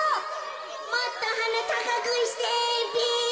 「もっとはなたかくしてべ！」。